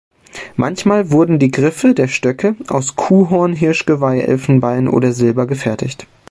Manchmal wurden die Griffe der Stöcke aus Kuhhorn, Hirschgeweih, Elfenbein oder Silber gefertigt.